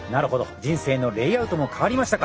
人生のレイアウトも変わりましたか。